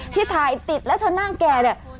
ที่ถ่ายติดแล้วเธอนั่งแก่เนี่ย